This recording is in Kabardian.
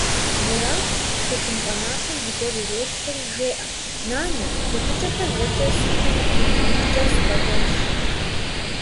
Мурат, тхылъымпӀэ напэм зыгуэр иретхэри, жеӀэ: - Нанэ, джэдыкӀэхэр зэкӀэ схьынкъым, иужькӀэ сыкъэкӀуэнщ.